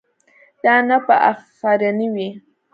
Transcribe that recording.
دا نه به اخرنی وي.